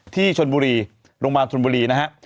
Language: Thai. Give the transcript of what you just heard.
ที่โรงพยาบาลชนบุรีนะครับ